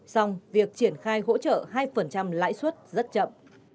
xong việc triển khai hỗ trợ hai lãi suất rất chậm